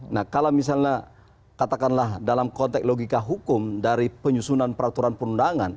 nah kalau misalnya katakanlah dalam konteks logika hukum dari penyusunan peraturan perundangan